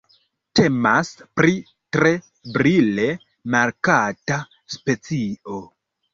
Temas pri tre brile markata specio.